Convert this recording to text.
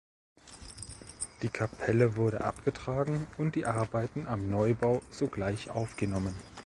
Die Kapelle wurde abgetragen und die Arbeiten am Neubau sogleich aufgenommen.